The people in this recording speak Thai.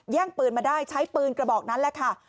ปืนมาได้ใช้ปืนกระบอกนั้นแหละค่ะ